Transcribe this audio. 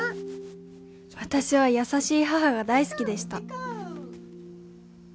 私は優しい母が大好きでした。